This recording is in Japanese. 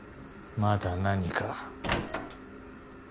まだ何か？